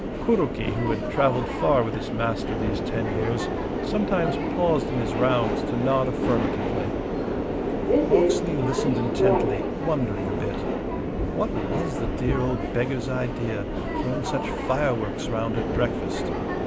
Kuroki, who had travelled far with his master these ten years, sometimes paused in his rounds to nod affirmatively. Hawksley listened intently, wondering a bit. What was the dear old beggar's idea, throwing such fireworks round at breakfast?